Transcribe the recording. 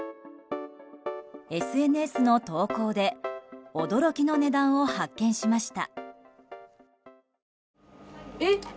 ＳＮＳの投稿で驚きの値段を発見しました。